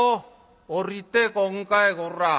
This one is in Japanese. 「下りてこんかいこら！